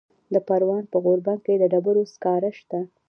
د پروان په غوربند کې د ډبرو سکاره شته.